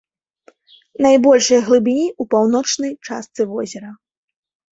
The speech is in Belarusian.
Найбольшыя глыбіні ў паўночнай частцы возера.